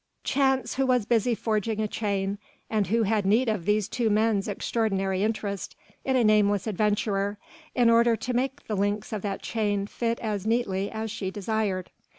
Chance who was busy forging a chain and who had need of these two men's extraordinary interest in a nameless adventurer in order to make the links of that chain fit as neatly as she desired.